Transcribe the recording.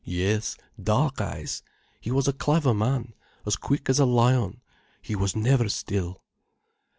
"Yes, dark eyes. He was a clever man, as quick as a lion. He was never still."